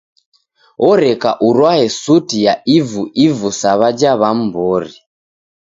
Oreka urwae suti ya ivu-ivu sa w'aja w'amu w'ori